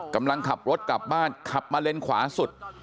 กำลังขับรถกลับบ้านขับมาเลนขวาสุด